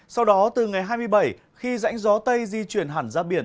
sau đó từ ngày hai mươi bảy khi rãnh gió tây di chuyển hẳn ra biển